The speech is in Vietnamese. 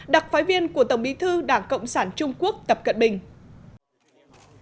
đặc phái viên của tổng bí thư đảng cộng sản trung quốc tập cận bình